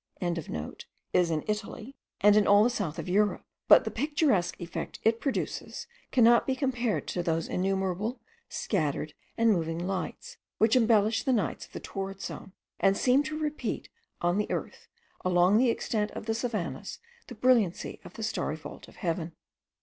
is in Italy and in all the south of Europe, but the picturesque effect it produces cannot be compared to those innumerable, scattered, and moving lights, which embellish the nights of the torrid zone, and seem to repeat on the earth, along the vast extent of the savannahs, the brilliancy of the starry vault of heaven.